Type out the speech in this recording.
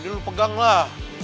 lu pegang lah